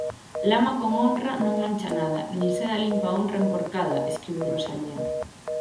Lama con honra non mancha nada, nin seda limpa honra emporcada, escribiu Rosalía.